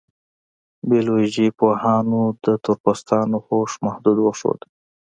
بیولوژي پوهانو د تور پوستانو هوښ محدود وښود.